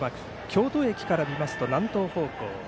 京都駅から見ますと南東方向。